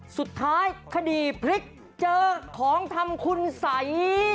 สุดท้ายคดีพลิกเจอของทำคุณสัย